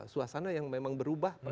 suasana yang memang berubah